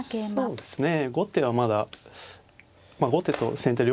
そうですね。